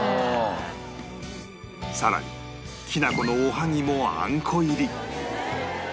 さらにきな粉のおはぎもあんこ入り